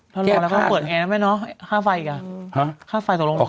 ทอนรอแล้วก็ต้องเปิดแอร์นะไม่เนาะค่าไฟอีกอ่ะ